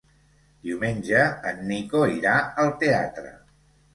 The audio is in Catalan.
Diumenge en Nico irà al teatre.